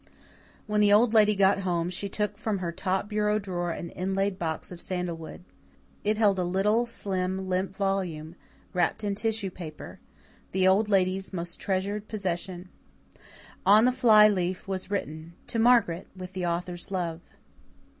When the Old Lady got home she took from her top bureau drawer an inlaid box of sandalwood. It held a little, slim, limp volume, wrapped in tissue paper the Old Lady's most treasured possession. On the fly leaf was written, "To Margaret, with the author's love."